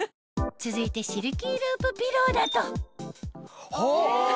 続いてシルキーループピローだとうわ！